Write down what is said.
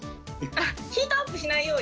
ヒートアップしないように。